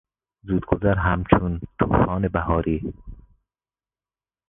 زودگذر همچون توفان بهاری